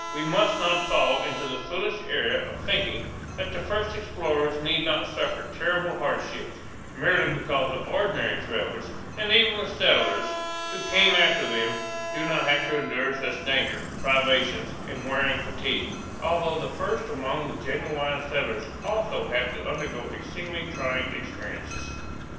We must not fall into the foolish error of thinking that the first explorers need not suffer terrible hardships, merely because the ordinary travellers, and even the settlers who come after them, do not have to endure such danger, privation, and wearing fatigue although the first among the genuine settlers also have to undergo exceedingly trying experiences.